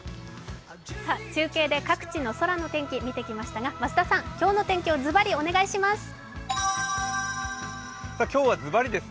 中継で各地の空の天気を見てきましたが今日の天気をズバリお願いします。